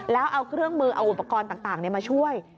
แล้วเอาเครื่องมือเอาอุปกรณ์ต่างมาช่วย